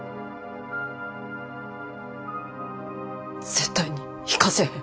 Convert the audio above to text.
絶対に行かせへん。